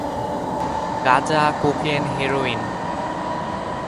গাঁজা, cocaine, heroin.